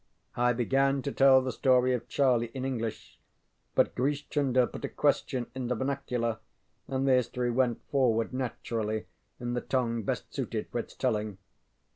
ŌĆØ I began to tell the story of Charlie in English, but Grish Chunder put a question in the vernacular, and the history went forward naturally in the tongue best suited for its telling.